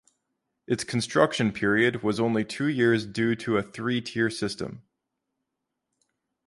Its construction period was only two years due to a three-tier system.